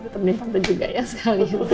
temenin tante juga ya sekali